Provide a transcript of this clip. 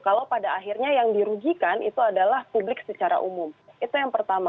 kalau pada akhirnya yang dirugikan itu adalah publik secara umum itu yang pertama